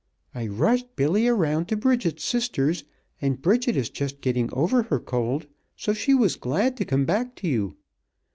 I rushed Billy around to Bridget's sister's and Bridget is just getting over her cold, so she was glad to come back to you.